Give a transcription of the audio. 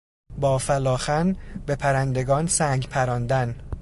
با فلاخن به پرندگان سنگ پراندن